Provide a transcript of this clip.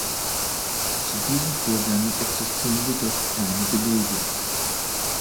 Zu diesem Vorgang existieren jedoch keine Belege.